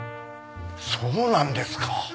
そうなんですか。